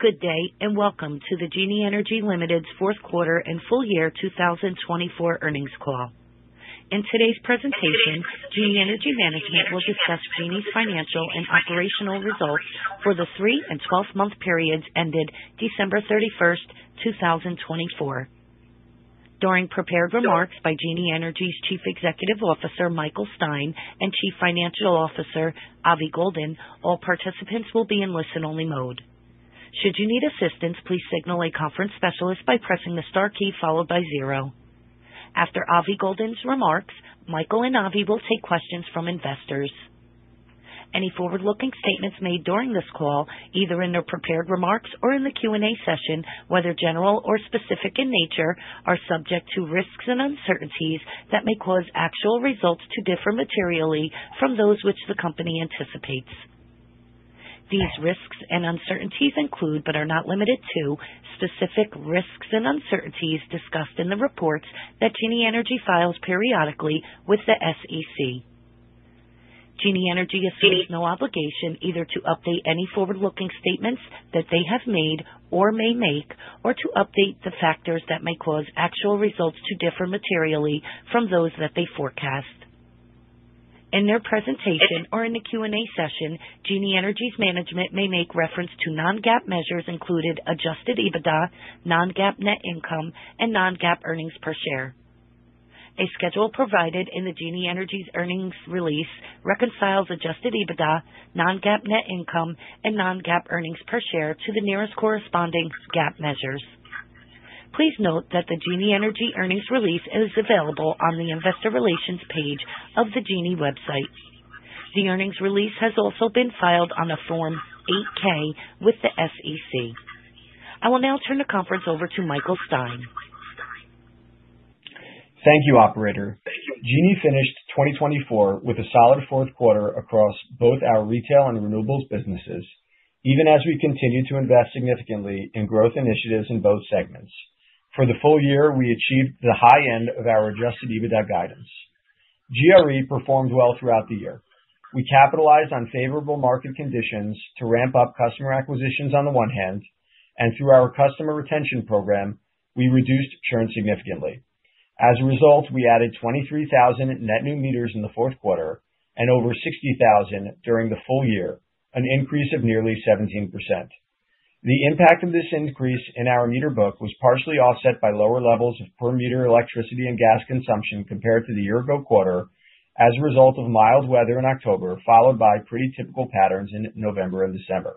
Good day and welcome to the Genie Energy Limited's fourth quarter and full year 2024 earnings call. In today's presentation, Genie Energy management will discuss Genie's financial and operational results for the three and twelve-month periods ended December 31st, 2024. During prepared remarks by Genie Energy's Chief Executive Officer, Michael Stein, and Chief Financial Officer, Avi Goldin, all participants will be in listen-only mode. Should you need assistance, please signal a conference specialist by pressing the star key followed by zero. After Avi Goldin's remarks, Michael and Avi will take questions from investors. Any forward-looking statements made during this call, either in their prepared remarks or in the Q&A session, whether general or specific in nature, are subject to risks and uncertainties that may cause actual results to differ materially from those which the company anticipates. These risks and uncertainties include, but are not limited to, specific risks and uncertainties discussed in the reports that Genie Energy files periodically with the SEC. Genie Energy assumes no obligation either to update any forward-looking statements that they have made or may make, or to update the factors that may cause actual results to differ materially from those that they forecast. In their presentation or in the Q&A session, Genie Energy's management may make reference to non-GAAP measures included adjusted EBITDA, non-GAAP net income, and non-GAAP earnings per share. A schedule provided in the Genie Energy's earnings release reconciles adjusted EBITDA, non-GAAP net income, and non-GAAP earnings per share to the nearest corresponding GAAP measures. Please note that the Genie Energy earnings release is available on the investor relations page of the Genie website. The earnings release has also been filed on a Form 8-K with the SEC. I will now turn the conference over to Michael Stein. Thank you, Operator. Thank you. Genie finished 2024 with a solid fourth quarter across both our retail and renewables businesses, even as we continue to invest significantly in growth initiatives in both segments. For the full year, we achieved the high end of our adjusted EBITDA guidance. GRE performed well throughout the year. We capitalized on favorable market conditions to ramp up customer acquisitions on the one hand, and through our customer retention program, we reduced churn significantly. As a result, we added 23,000 net new meters in the fourth quarter and over 60,000 during the full year, an increase of nearly 17%. The impact of this increase in our meter book was partially offset by lower levels of per meter electricity and gas consumption compared to the year-ago quarter as a result of mild weather in October, followed by pretty typical patterns in November and December.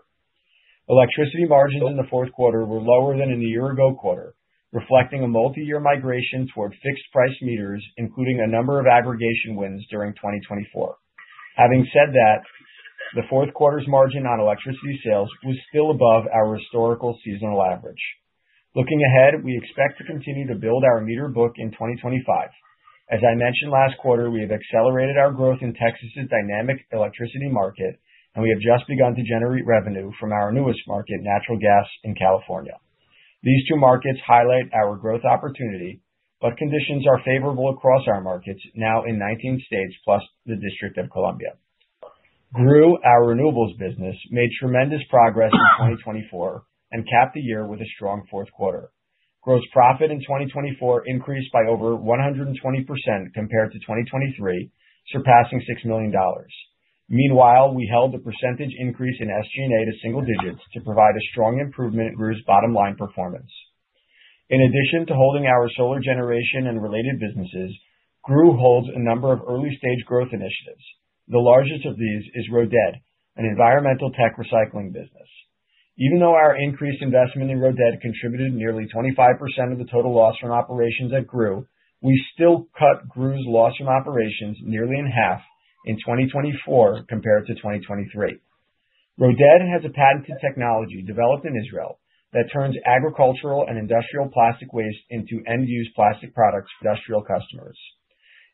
Electricity margins in the fourth quarter were lower than in the year-ago quarter, reflecting a multi-year migration toward fixed-price meters, including a number of aggregation wins during 2024. Having said that, the fourth quarter's margin on electricity sales was still above our historical seasonal average. Looking ahead, we expect to continue to build our meter book in 2025. As I mentioned last quarter, we have accelerated our growth in Texas's dynamic electricity market, and we have just begun to generate revenue from our newest market, natural gas in California. These two markets highlight our growth opportunity but conditions are favorable across our markets now in 19 states plus the District of Columbia. GREW, our renewables business, made tremendous progress in 2024 and capped the year with a strong fourth quarter. GREW's profit in 2024 increased by over 120% compared to 2023, surpassing $6 million. Meanwhile, we held the percentage increase in SG&A to single digits to provide a strong improvement in GREW's bottom-line performance. In addition to holding our solar generation and related businesses, GREW holds a number of early-stage growth initiatives. The largest of these is Roded, an environmental tech recycling business. Even though our increased investment in Roded contributed nearly 25% of the total loss from operations at GREW, we still cut GREW's loss from operations nearly in half in 2024 compared to 2023. Roded has a patented technology developed in Israel that turns agricultural and industrial plastic waste into end-use plastic products for industrial customers.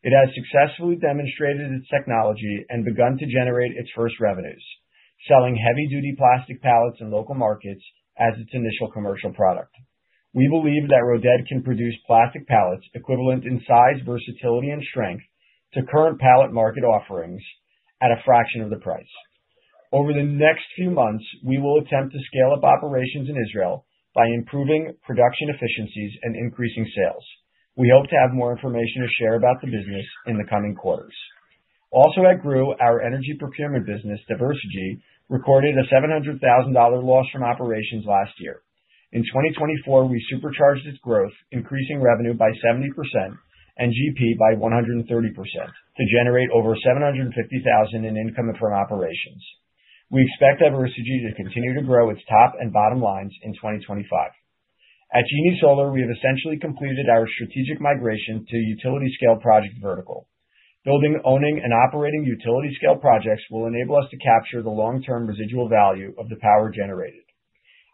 It has successfully demonstrated its technology and begun to generate its first revenues, selling heavy-duty plastic pallets in local markets as its initial commercial product. We believe that Roded can produce plastic pallets equivalent in size, versatility, and strength to current pallet market offerings at a fraction of the price. Over the next few months, we will attempt to scale up operations in Israel by improving production efficiencies and increasing sales. We hope to have more information to share about the business in the coming quarters. Also, at GREW, our energy procurement business, Diversegy, recorded a $700,000 loss from operations last year. In 2024, we supercharged its growth, increasing revenue by 70% and GP by 130% to generate over $750,000 in income from operations. We expect Diversegy to continue to grow its top and bottom lines in 2025. At Genie Solar, we have essentially completed our strategic migration to utility-scale project vertical. Building, owning, and operating utility-scale projects will enable us to capture the long-term residual value of the power generated.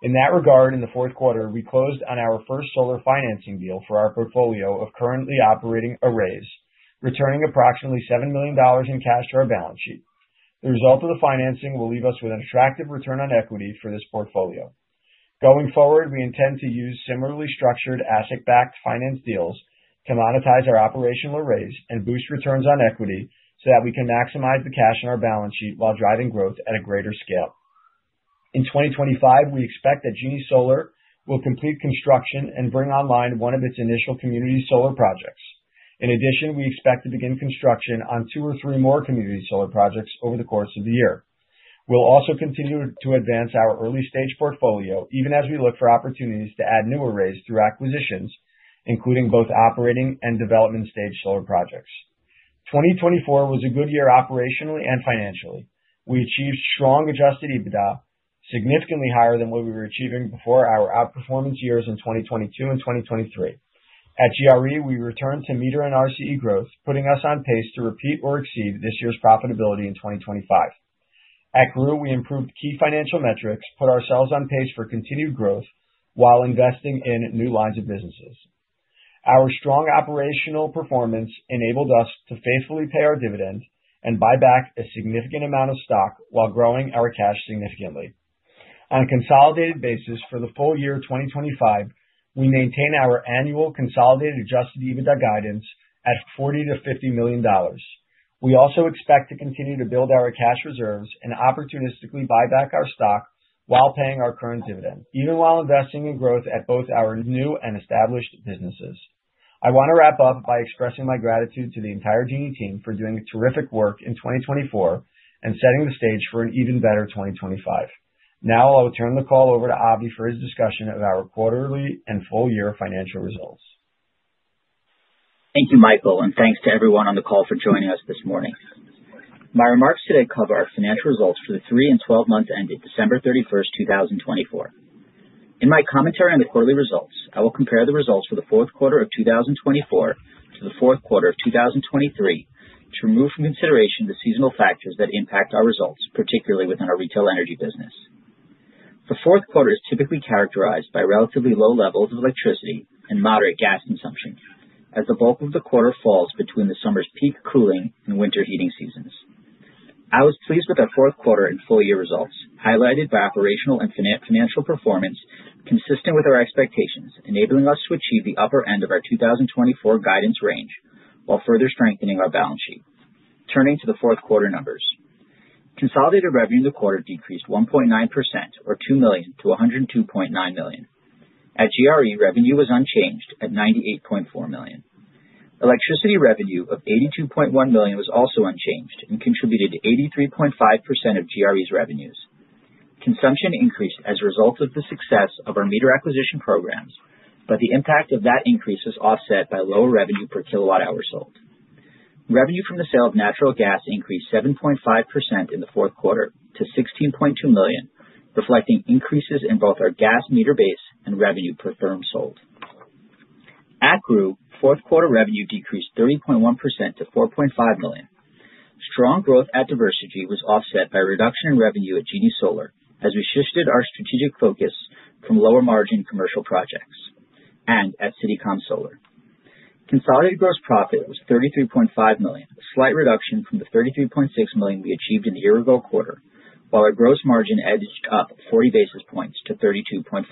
In that regard, in the fourth quarter, we closed on our first solar financing deal for our portfolio of currently operating arrays, returning approximately $7 million in cash to our balance sheet. The result of the financing will leave us with an attractive return on equity for this portfolio. Going forward, we intend to use similarly structured asset-backed finance deals to monetize our operational arrays and boost returns on equity so that we can maximize the cash in our balance sheet while driving growth at a greater scale. In 2025, we expect that Genie Solar will complete construction and bring online one of its initial community solar projects. In addition, we expect to begin construction on two or three more community solar projects over the course of the year. We'll also continue to advance our early-stage portfolio even as we look for opportunities to add new arrays through acquisitions, including both operating and development-stage solar projects. 2024 was a good year operationally and financially. We achieved strong adjusted EBITDA, significantly higher than what we were achieving before our outperformance years in 2022 and 2023. At GRE, we returned to meter and RCE growth, putting us on pace to repeat or exceed this year's profitability in 2025. At GREW, we improved key financial metrics, put ourselves on pace for continued growth while investing in new lines of businesses. Our strong operational performance enabled us to faithfully pay our dividend and buy back a significant amount of stock while growing our cash significantly. On a consolidated basis for the full year 2025, we maintain our annual consolidated adjusted EBITDA guidance at $40 million-$50 million. We also expect to continue to build our cash reserves and opportunistically buy back our stock while paying our current dividend, even while investing in growth at both our new and established businesses. I want to wrap up by expressing my gratitude to the entire Genie team for doing terrific work in 2024 and setting the stage for an even better 2025. Now, I will turn the call over to Avi for his discussion of our quarterly and full-year financial results. Thank you, Michael, and thanks to everyone on the call for joining us this morning. My remarks today cover our financial results for the three and twelve months ended December 31, 2024. In my commentary on the quarterly results, I will compare the results for the fourth quarter of 2024 to the fourth quarter of 2023 to remove from consideration the seasonal factors that impact our results, particularly within our retail energy business. The fourth quarter is typically characterized by relatively low levels of electricity and moderate gas consumption, as the bulk of the quarter falls between the summer's peak cooling and winter heating seasons. I was pleased with our fourth quarter and full-year results, highlighted by operational and financial performance consistent with our expectations, enabling us to achieve the upper end of our 2024 guidance range while further strengthening our balance sheet. Turning to the fourth quarter numbers, consolidated revenue in the quarter decreased 1.9%, or $2 million, to $102.9 million. At GRE, revenue was unchanged at $98.4 million. Electricity revenue of $82.1 million was also unchanged and contributed to 83.5% of GRE's revenues. Consumption increased as a result of the success of our meter acquisition programs, but the impact of that increase was offset by lower revenue per kilowatt-hour sold. Revenue from the sale of natural gas increased 7.5% in the fourth quarter to $16.2 million, reflecting increases in both our gas meter base and revenue per therm sold. At GREW, fourth quarter revenue decreased 30.1% to $4.5 million. Strong growth at Diversegy was offset by a reduction in revenue at Genie Solar as we shifted our strategic focus from lower-margin commercial projects and at CityCom Solar. Consolidated gross profit was $33.5 million, a slight reduction from the $33.6 million we achieved in the year-ago quarter, while our gross margin edged up 40 basis points to 32.5%.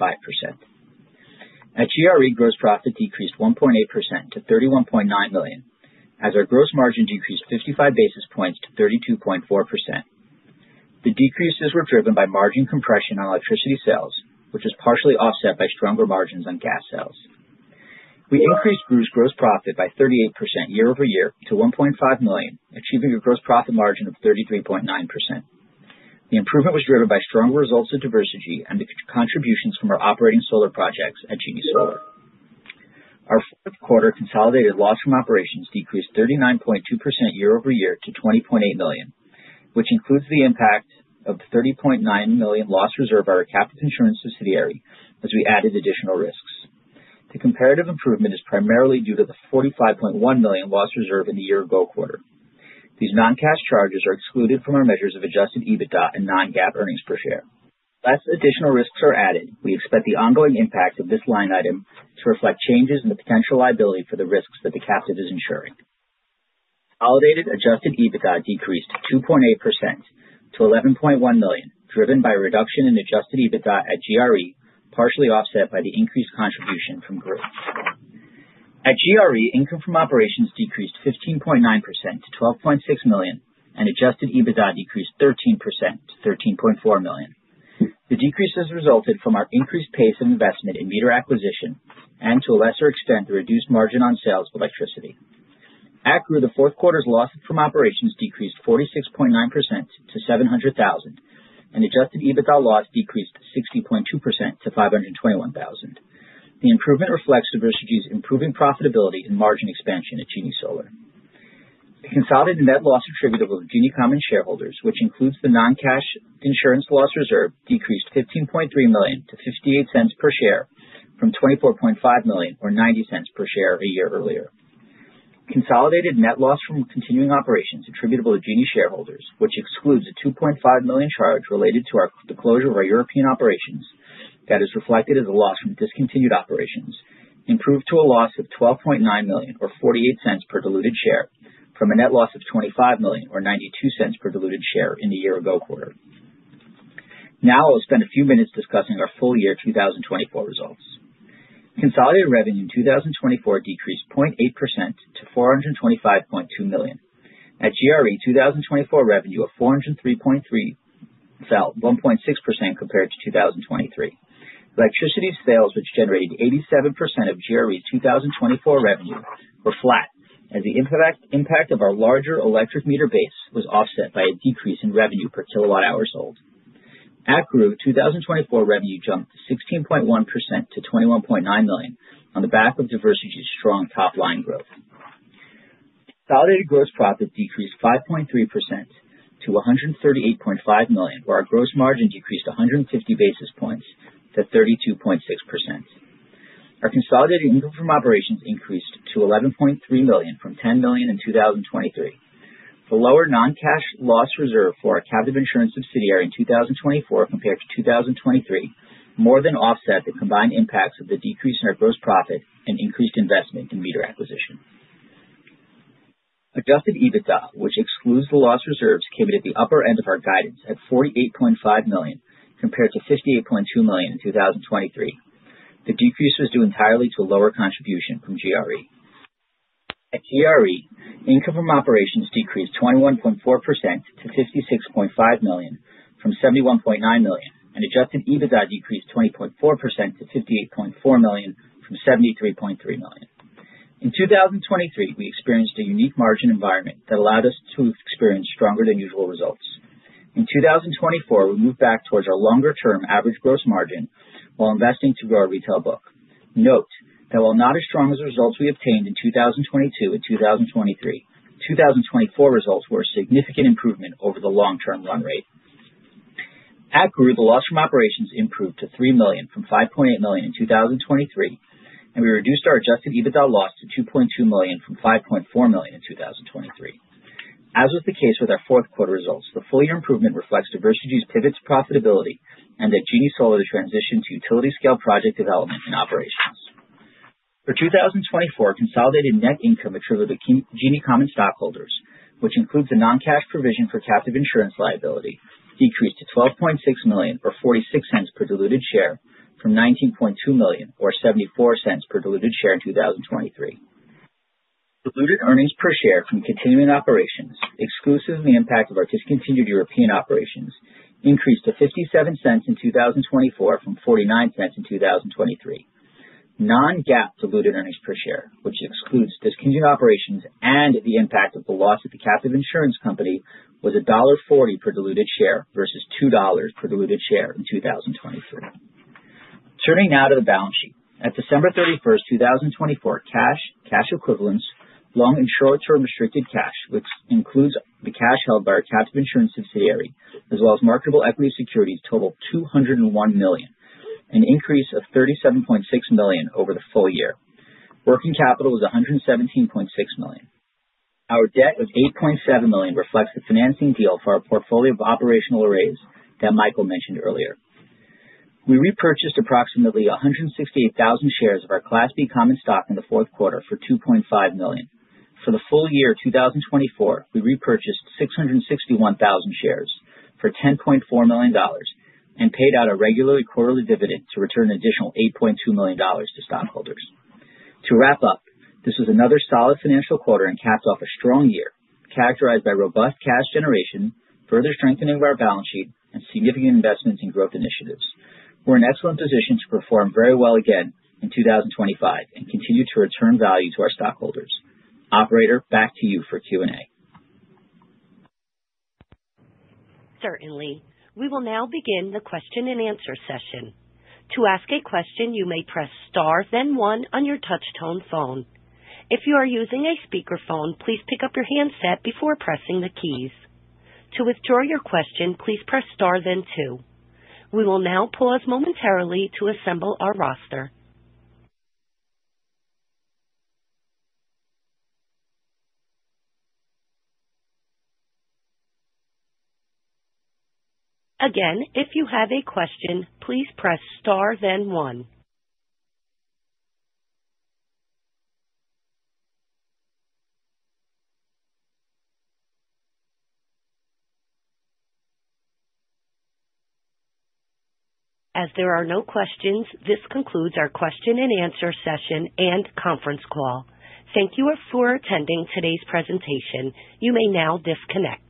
At GRE, gross profit decreased 1.8% to $31.9 million, as our gross margin decreased 55 basis points to 32.4%. The decreases were driven by margin compression on electricity sales, which was partially offset by stronger margins on gas sales. We increased GREW's gross profit by 38% year-over-year to $1.5 million, achieving a gross profit margin of 33.9%. The improvement was driven by stronger results at Diversegy and the contributions from our operating solar projects at Genie Solar. Our fourth quarter consolidated loss from operations decreased 39.2% year-over-year to $20.8 million, which includes the impact of the $30.9 million loss reserve by our captive insurance subsidiary as we added additional risks. The comparative improvement is primarily due to the $45.1 million loss reserve in the year-ago quarter. These non-cash charges are excluded from our measures of adjusted EBITDA and non-GAAP earnings per share. Less additional risks are added. We expect the ongoing impact of this line item to reflect changes in the potential liability for the risks that the captive is insuring. Consolidated adjusted EBITDA decreased 2.8% to $11.1 million, driven by a reduction in adjusted EBITDA at GRE, partially offset by the increased contribution from GREW. At GRE, income from operations decreased 15.9% to $12.6 million, and adjusted EBITDA decreased 13% to $13.4 million. The decreases resulted from our increased pace of investment in meter acquisition and, to a lesser extent, the reduced margin on sales of electricity. At GREW, the fourth quarter's loss from operations decreased 46.9% to $700,000, and adjusted EBITDA loss decreased 60.2% to $521,000. The improvement reflects Diversegy's improving profitability and margin expansion at Genie Solar. The consolidated net loss attributable to Genie common shareholders, which includes the non-cash insurance loss reserve, decreased $15.3 million to $0.58 per share from $24.5 million, or $0.90 per share, a year earlier. Consolidated net loss from continuing operations attributable to Genie shareholders, which excludes a $2.5 million charge related to our closure of our European operations that is reflected as a loss from discontinued operations, improved to a loss of $12.9 million, or $0.48 per diluted share, from a net loss of $25 million, or $0.92 per diluted share in the year-ago quarter. Now, I will spend a few minutes discussing our full-year 2024 results. Consolidated revenue in 2024 decreased 0.8% to $425.2 million. At GRE, 2024 revenue of $403.3 million fell 1.6% compared to 2023. Electricity sales, which generated 87% of GRE's 2024 revenue, were flat as the impact of our larger electric meter base was offset by a decrease in revenue per kilowatt-hour sold. At GREW, 2024 revenue jumped 16.1% to $21.9 million on the back of Diversegy's strong top-line growth. Consolidated gross profit decreased 5.3% to $138.5 million, where our gross margin decreased 150 basis points to 32.6%. Our consolidated income from operations increased to $11.3 million from $10 million in 2023. The lower non-cash loss reserve for our captive insurance subsidiary in 2024 compared to 2023 more than offset the combined impacts of the decrease in our gross profit and increased investment in meter acquisition. Adjusted EBITDA, which excludes the loss reserves, came at the upper end of our guidance at $48.5 million compared to $58.2 million in 2023. The decrease was due entirely to a lower contribution from GRE. At GRE, income from operations decreased 21.4% to $56.5 million from $71.9 million, and adjusted EBITDA decreased 20.4% to $58.4 million from $73.3 million. In 2023, we experienced a unique margin environment that allowed us to experience stronger-than-usual results. In 2024, we moved back towards our longer-term average gross margin while investing to grow our retail book. Note that while not as strong as the results we obtained in 2022 and 2023, 2024 results were a significant improvement over the long-term run rate. At GREW, the loss from operations improved to $3 million from $5.8 million in 2023, and we reduced our adjusted EBITDA loss to $2.2 million from $5.4 million in 2023. As was the case with our fourth quarter results, the full-year improvement reflects Diversegy's pivot to profitability and that Genie Solar has transitioned to utility-scale project development and operations. For 2024, consolidated net income attributable to Genie common stockholders, which includes the non-cash provision for captive insurance liability, decreased to $12.6 million, or $0.46 per diluted share from $19.2 million, or $0.74 per diluted share in 2023. Diluted earnings per share from continuing operations, exclusive of the impact of our discontinued European operations, increased to $0.57 in 2024 from $0.49 in 2023. Non-GAAP diluted earnings per share, which excludes discontinued operations and the impact of the loss at the captive insurance company, was $1.40 per diluted share versus $2 per diluted share in 2023. Turning now to the balance sheet. At December 31, 2024, cash, cash equivalents, long and short-term restricted cash, which includes the cash held by our captive insurance subsidiary, as well as marketable equity securities, totaled $201 million, an increase of $37.6 million over the full year. Working capital was $117.6 million. Our debt of $8.7 million reflects the financing deal for our portfolio of operational arrays that Michael mentioned earlier. We repurchased approximately 168,000 shares of our Class B Common Stock in the fourth quarter for $2.5 million. For the full year 2024, we repurchased 661,000 shares for $10.4 million and paid out a regular quarterly dividend to return an additional $8.2 million to stockholders. To wrap up, this was another solid financial quarter and capped off a strong year characterized by robust cash generation, further strengthening of our balance sheet, and significant investments in growth initiatives. We're in excellent position to perform very well again in 2025 and continue to return value to our stockholders. Operator, back to you for Q&A. Certainly. We will now begin the question-and-answer session. To ask a question, you may press star, then one on your touch-tone phone. If you are using a speakerphone, please pick up your handset before pressing the keys. To withdraw your question, please press star, then two. We will now pause momentarily to assemble our roster. Again, if you have a question, please press star, then one. As there are no questions, this concludes our question-and-answer session and conference call. Thank you for attending today's presentation. You may now disconnect.